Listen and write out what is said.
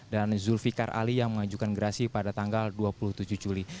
dan zulfiqar ali yang mengajukan gerasi pada tanggal dua puluh tujuh juli